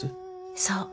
そう。